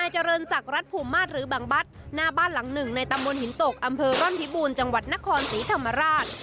หน้าบ้านหลังหนึ่งในตำบลหินตกอำเภอร่อนพิบูรณ์จังหวัดนครศรีธรรมราช